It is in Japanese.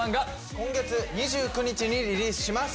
今月２９日にリリースします。